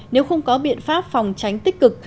nếu không có biện pháp phòng tránh tích cực